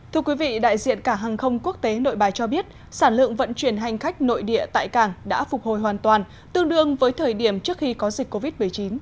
thưa quý vị đại diện cảng hàng không quốc tế nội bài cho biết sản lượng vận chuyển hành khách nội địa tại cảng đã phục hồi hoàn toàn tương đương với thời điểm trước khi có dịch covid một mươi chín